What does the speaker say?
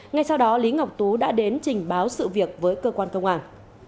ngay sau đó lý ngọc tú đã đến trình báo sự việc với cơ quan công an